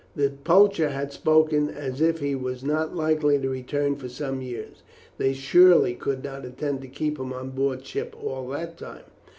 The poacher had spoken as if he was not likely to return for some years. They surely could not intend to keep him on board ship all that time.